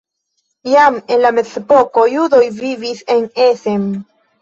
Jam en la mezepoko judoj vivis en Essen.